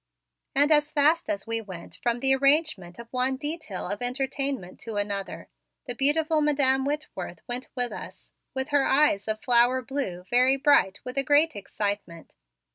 And as fast as we went from the arrangement of one detail of entertainment to another, the beautiful Madam Whitworth went with us, with her eyes of the flower blue very bright with a great excitement.